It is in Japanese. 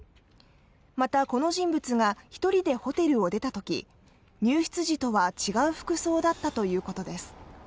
またこの人物が１人でホテルを出たとき、入室時とは違う服装だったということです。